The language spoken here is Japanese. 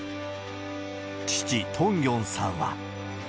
父、トンギョンさんは。